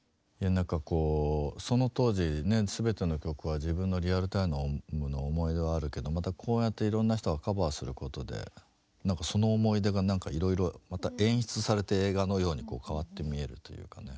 なんかこうその当時ね全ての曲は自分のリアルタイムの思い出はあるけどまたこうやっていろんな人がカバーすることでなんかその思い出がなんかいろいろまた演出されて映画のようにこう変わって見えるというかね。